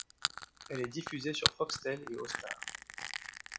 Elle est diffusée sur Foxtel et Austar.